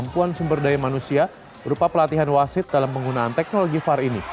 kemampuan sumber daya manusia berupa pelatihan wasit dalam penggunaan teknologi var ini